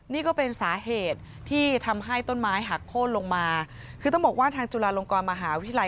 นี่ก็เป็นสาเหตุที่ทำให้ต้นไม้หักโค้นลงมาคือต้องบอกว่าทางจุฬาลงกรมหาวิทยาลัย